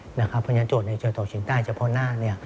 เพราะฉะนั้นโจทย์ในเชิงต่อเชียงใต้เจ้าพ่อหน้า